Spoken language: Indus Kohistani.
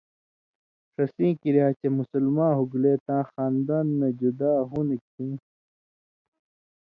ݜسیں کریا چے مسلماں ہُوگلے تاں خاندان نہ جدا ہُوندہۡ کھیں